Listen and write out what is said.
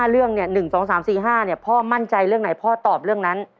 เรื่อง๑๒๓๔๕พ่อมั่นใจเรื่องไหนพ่อตอบเรื่องนั้น